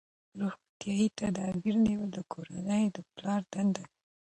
روغتیايي تدابیر نیول د کورنۍ د پلار دنده ده.